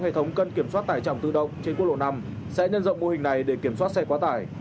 hệ thống cân kiểm soát tải trọng tự động trên quốc lộ năm sẽ nhân rộng mô hình này để kiểm soát xe quá tải